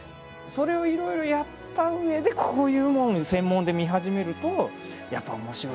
それをいろいろやったうえでこういうものを専門で見始めるとやっぱり面白い世界がね開けるんですよ